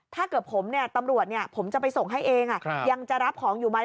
ถ้าเกิดผมเนี่ยตำรวจผมจะไปส่งให้เองยังจะรับของอยู่ไหม